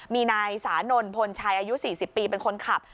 มีนายสานนท์พลชัยอายุ๔๐ปีเป็นคนขับ